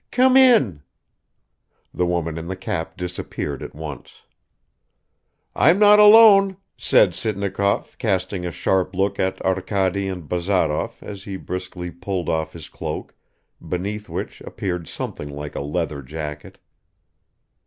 "Come in!" The woman in the cap disappeared at once. "I'm not alone," said Sitnikov, casting a sharp look at Arkady and Bazarov as he briskly pulled off his cloak, beneath which appeared something like a leather jacket.